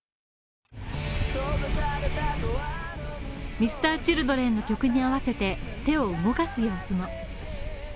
Ｍｒ．Ｃｈｉｌｄｒｅｎの曲に合わせて手を動かす様子も。